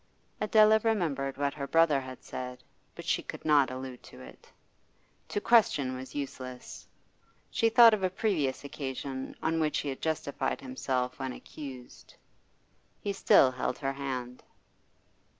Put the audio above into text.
Adela remembered what her brother had said, but she could not allude to it. To question was useless. She thought of a previous occasion on which he had justified himself when accused. He still held her hand.